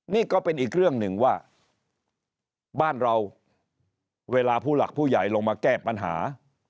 นี่ก็เป็นอีกเรื่องหนึ่งว่าบ้านเราเวลาผู้หลักผู้ใหญ่ลงมาแก้ปัญหา